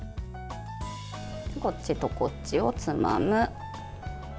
こっちとこっちをつまむ。